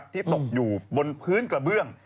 ที่ตกอยู่บนพื้นกระเบื้อง